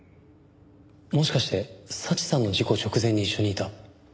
もしかして早智さんの事故直前に一緒にいた。